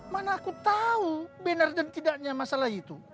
mana aku tau bener dan tidaknya masalah itu